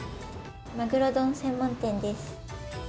マグロ丼専門店です。